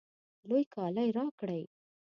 لوی کالی راکړئ